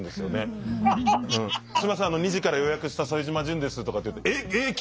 「すいません２時から予約した副島淳です」とか言うと「えっえっ君！？」